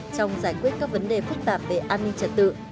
trong giải quyết các vấn đề phức tạp về an ninh trật tự